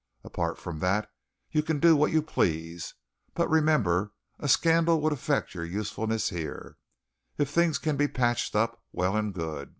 Apart from that, you can do what you please. But remember! a scandal would affect your usefulness here. If things can be patched up, well and good.